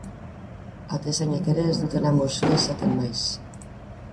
Atezainek ere ez dute lan gozoa izaten maiz.